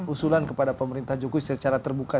usulan kepada pemerintah jokowi secara terbuka